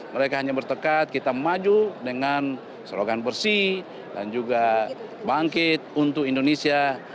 mereka hanya bertekad kita maju dengan slogan bersih dan juga bangkit untuk indonesia